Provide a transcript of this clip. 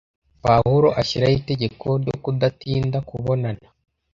Pawulo ashyiraho itegeko ryo kudatinda kubonana.